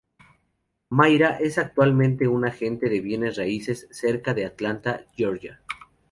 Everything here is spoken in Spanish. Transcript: Myra es actualmente un agente de bienes raíces cerca de Atlanta, Georgia.